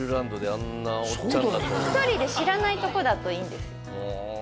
１人で知らないとこだといいんですへえ